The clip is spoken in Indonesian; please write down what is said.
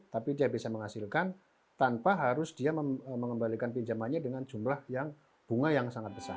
tapi dia bisa menghasilkan tanpa harus dia mengembalikan pinjamannya dengan jumlah yang bunga yang sangat besar